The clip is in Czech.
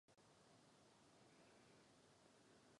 Zkoumal zde možnosti adaptace lidského organismu na polární podmínky.